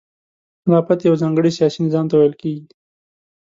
خلافت یو ځانګړي سیاسي نظام ته ویل کیږي.